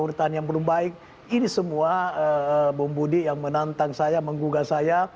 urutan yang belum baik ini semua bumbudi yang menantang saya menggugah saya